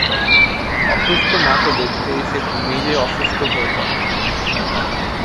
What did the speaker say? অসুস্থ মাকে দেখতে এসে তিনি নিজেই অসুস্থ হয়ে পড়েন।